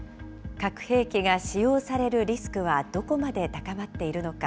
核兵器が使用されるリスクはどこまで高まっているのか。